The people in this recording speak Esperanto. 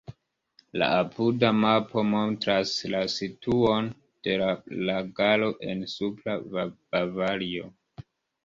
La apuda mapo montras la situon de la lagaro en Supra Bavario.